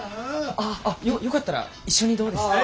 よかったら一緒にどうですか？